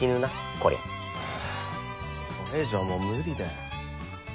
これ以上はもう無理だよ。